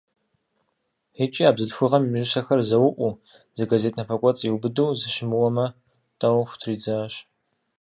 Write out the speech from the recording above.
ИкӀи а бзылъхугъэм и усэхэр зэуӀуу, зы газет напэкӀуэцӀ иубыду, сыщымыуэмэ, тӀэу хутридзащ.